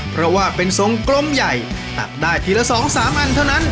เพราะว่าเป็นทรงกลมใหญ่ตักได้ทีละ๒๓อันเท่านั้น